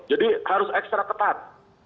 jadi harus ekstra ketat